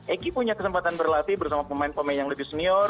eki punya kesempatan berlatih bersama pemain pemain yang lebih senior